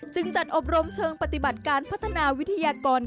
จัดอบรมเชิงปฏิบัติการพัฒนาวิทยากร